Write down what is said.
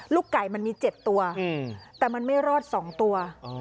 ไก่มันมี๗ตัวแต่มันไม่รอด๒ตัว